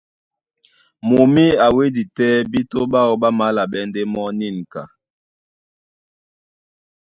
Mumí a wédi tɛ́ bíto ɓáō ɓá malɛɓɛ́ ndé mɔ́ nînka.